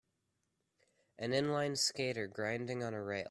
An inline skater grinding on a rail.